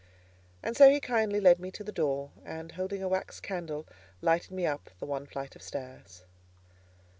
And so he kindly led me to the door, and holding a wax candle, lighted me up the one flight of stairs.